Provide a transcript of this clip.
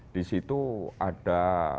di situ ada